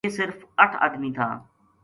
یہ صرف اَٹھ ادمی تھا